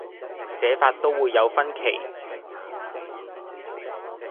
寫法都會有分歧